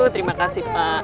terima kasih pak